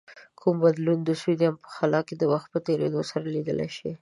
کوم بدلون د سودیم په ځلا کې د وخت په تیرېدو سره لیدلای شئ؟